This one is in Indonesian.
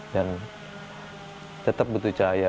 dan tetap butuh cahaya